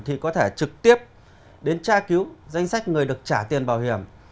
thì có thể trực tiếp đến tra cứu danh sách người được trả tiền bảo hiểm